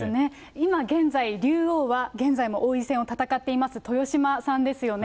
今現在、竜王は、現在も王位戦を戦っています、豊島さんですよね。